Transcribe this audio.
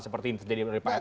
seperti ini terjadi dari psb